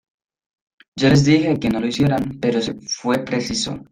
Yo les dije que no lo hicieran pero fué preciso.